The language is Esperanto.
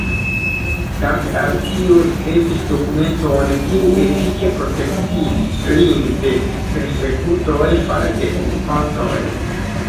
Danke al tio ricevis dokumenton, kiu efike protektis lin de persekutoj fare de okupantoj.